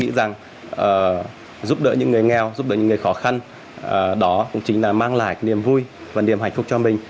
giúp đỡ những người nghèo giúp đỡ những người khó khăn đó cũng chính là mang lại niềm vui và niềm hạnh phúc cho mình